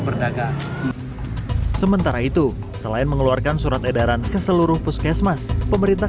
berdagang sementara itu selain mengeluarkan surat edaran ke seluruh puskesmas pemerintah